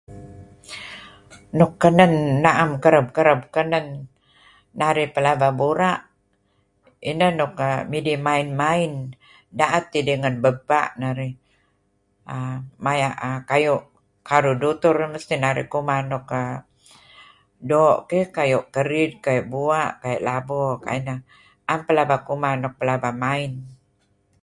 Nuk kenen na'em kereb-kereb kenen narih pelaba bura' ineh nuk midih main-main, da'et idih ngen bebpa' narih. Maya' err karuh dutur narih mesti kuman nuk doo' kayu' kerid, bua', kayu' labo kayu' ineh, 'am pelaba kuman nuk pelaba main.